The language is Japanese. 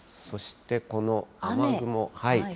そしてこの雨雲。